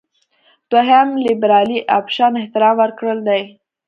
دوهم لېبرالي اپشن احترام ورکړل دي.